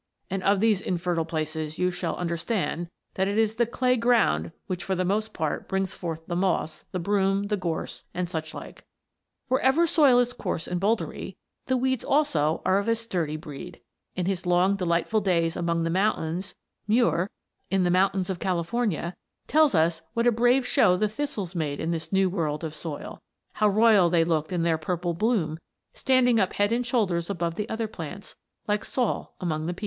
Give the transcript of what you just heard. And, of these infertile places, you shall understand, that it is the clay ground which for the most part brings forth the Moss, the Broom, the Gorse and such like." Wherever soil is coarse and bouldery the weeds also are of a sturdy breed. In his long, delightful days among the mountains Muir tells us what a brave show the thistles made in this new world of soil; how royal they looked in their purple bloom, standing up head and shoulders above the other plants, like Saul among the people.